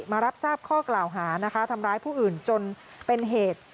มารับทราบข้อกล่าวหานะคะทำร้ายผู้อื่นจนเป็นเหตุ